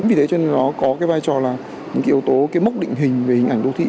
vì thế cho nên nó có vai trò là những yếu tố mốc định hình về hình ảnh đô thị